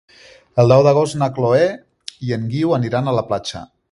El deu d'agost na Chloé i en Guiu aniran a la platja.